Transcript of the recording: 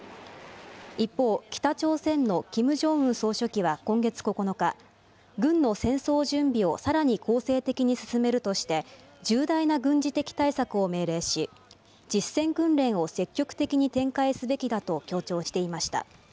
一方、北朝鮮のキム・ジョンウン総書記は今月９日、軍の戦争準備をさらに攻勢的に進めるとして、重大な軍事的対策を命令し、実戦訓練を積極的に展開すべきだと強調していました。